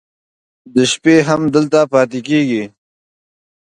د شپې هم دلته پاتې کېږي.